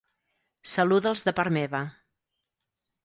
Saluda'ls de part meva.